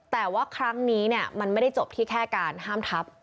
แต่ว่าครั้งนี้มันไม่ได้จบที่แค่การห้ามทับ